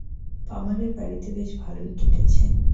পামারের বাড়ীতে বেশ ভালই কেটেছে।